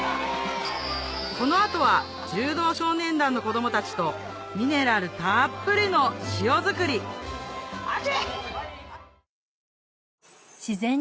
この後は柔道少年団の子供たちとミネラルたっぷりの塩作り熱っ！